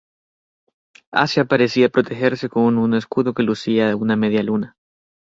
Asia parecía protegerse con un escudo que lucía una media luna.